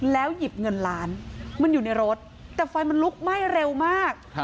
แล้วหยิบเงินล้านมันอยู่ในรถแต่ไฟมันลุกไหม้เร็วมาก